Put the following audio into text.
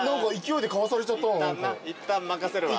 いったん任せるわ。